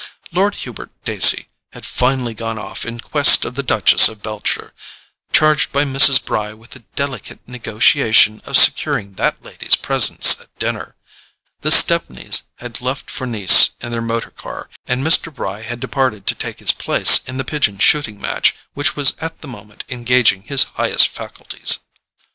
Lord Hubert Dacey had finally gone off in quest of the Duchess of Beltshire, charged by Mrs. Bry with the delicate negotiation of securing that lady's presence at dinner, the Stepneys had left for Nice in their motor car, and Mr. Bry had departed to take his place in the pigeon shooting match which was at the moment engaging his highest faculties.